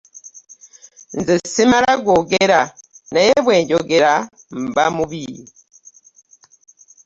Nze ssimala googera naye bwe njogera mba mubi.